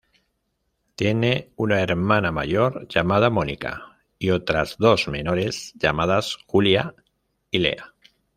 Tiene una hermana mayor llamada Monika y otras dos menores llamadas Julia y Leah.